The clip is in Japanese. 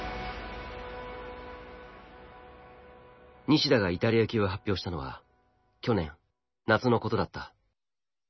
西田がイタリア行きを発表したのは去年夏のことだった。